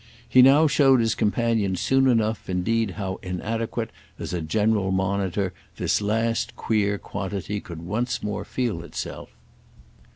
He now showed his companion soon enough indeed how inadequate, as a general monitor, this last queer quantity could once more feel itself.